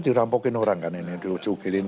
dirampokin orang kan ini dicubilin